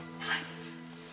はい。